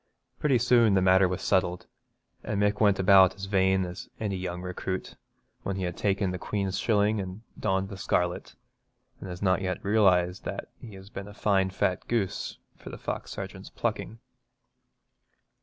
Pretty soon the matter was settled, and Mick went about as vain as any young recruit when he has taken the Queen's shilling and donned the scarlet, and has not yet realised that he has been a fine fat goose for the fox sergeant's plucking.